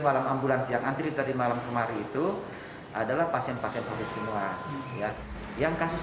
malam ambulans yang antri tadi malam kemarin itu adalah pasien pasien covid semua yang kasus